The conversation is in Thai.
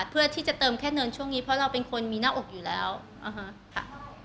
เพื่อที่จะเติมแค่เนินช่วงนี้เพราะเราเป็นคนมีหน้าอกอยู่แล้วค่ะ